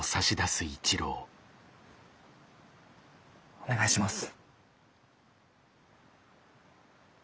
お願いします。